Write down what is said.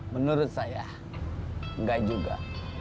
menurut saya enggak juga